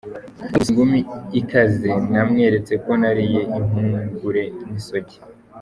Namukubise ingumi ikaze, namweretse ko nariye impungure n’isogi.